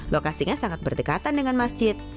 lokasinya sangat berdekatan dengan masjid